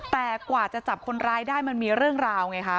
แต่กว่าจะจับคนร้ายได้มันมีเรื่องราวไงคะ